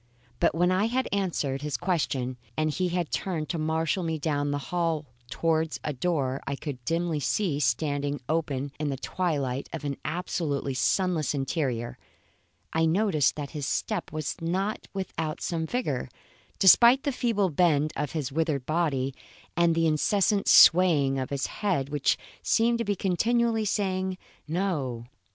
But when I had answered his question and he had turned to marshal me down the hall towards a door I could dimly see standing open in the twilight of an absolutely sunless interior, I noticed that his step was not without some vigour, despite the feeble bend of his withered body and the incessant swaying of his head, which seemed to be continually saying No!